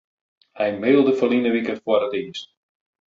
Hy mailde ferline wike foar it earst.